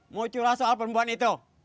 mau curah soal perempuan itu